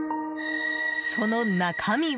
その中身は。